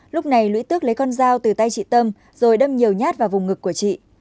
lúc này lũy tước lấy con dao từ tay chị tâm rồi đâm nhiều nhát vào vùng ngực của chị